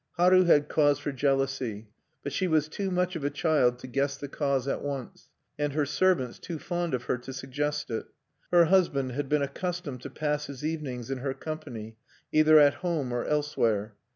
Haru had cause for jealousy; but she was too much of a child to guess the cause at once; and her servants too fond of her to suggest it. Her husband had been accustomed to pass his evenings in her company, either at home or elsewhere.